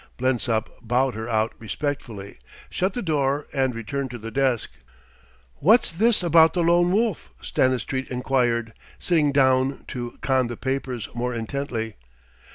Blensop bowed her out respectfully, shut the door and returned to the desk. "What's this about the Lone Wolf?" Stanistreet enquired, sitting down to con the papers more intently.